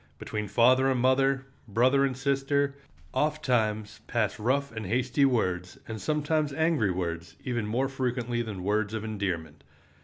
Between father and mother, brother and sister, ofttimes pass rough and hasty words, and sometimes angry words, even more frequently than words of endearment.